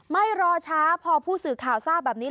ไม่รอช้าพอผู้สื่อข่าวทราบแบบนี้